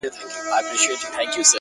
ستا تصوير خپله هينداره دى زما گراني ،